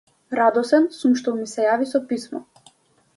Радосен сум што ми се јави со писмо.